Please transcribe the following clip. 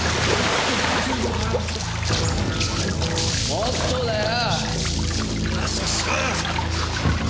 もっとだよ！